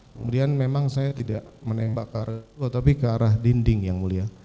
kemudian memang saya tidak menembak ke arah itu tapi ke arah dinding ya mulia